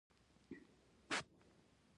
روسانو چټک پرمختګ کاوه او پولو ته راورسېدل